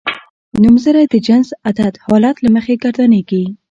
نومځری د جنس عدد حالت له مخې ګردانیږي.